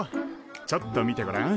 ちょっと見てごらん。